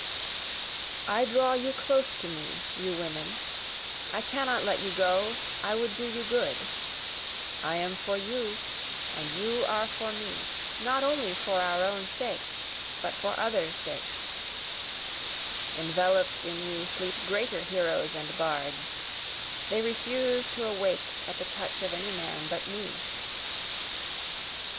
I draw you close to me, you women, I cannot let you go, I would do you good, I am for you, and you are for me, not only for our own sake, but for others' sakes, Envelop'd in you sleep greater heroes and bards, They refuse to awake at the touch of any man but me.